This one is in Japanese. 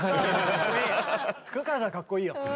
福川さんかっこいいよ。